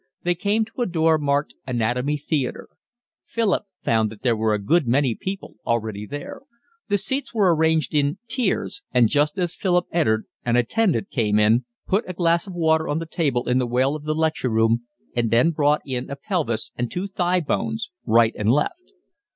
They came to a door marked Anatomy Theatre. Philip found that there were a good many people already there. The seats were arranged in tiers, and just as Philip entered an attendant came in, put a glass of water on the table in the well of the lecture room and then brought in a pelvis and two thigh bones, right and left.